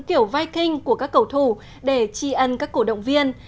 kiểu viking của các cầu thủ để chi ân các cổ động viên